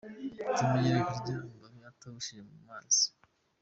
Tumenyereye kurya ambabi atogosheje mu mazi.